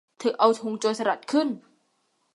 เธอเอาธงโจรสลัดขึ้น